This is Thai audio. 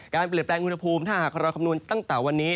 เปลี่ยนแปลงอุณหภูมิถ้าหากเราคำนวณตั้งแต่วันนี้